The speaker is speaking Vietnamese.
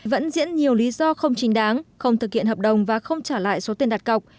vẫn diễn nhiều lý do không chính đáng không thực hiện hợp đồng và không trả lại số tiền đặt cọc